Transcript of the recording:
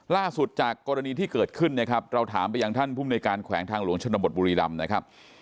ล่าสุดจากกรณีที่เกิดขึ้นนะครับเราถามไปยังท่านภูมิในการแขวงทางหลวงชนบทบุรีรำนะครับ